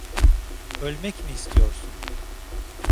Ölmek mi istiyorsun?